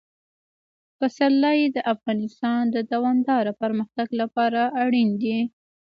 پسرلی د افغانستان د دوامداره پرمختګ لپاره اړین دي.